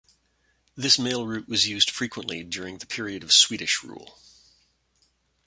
This mail route was used frequently during the period of Swedish rule.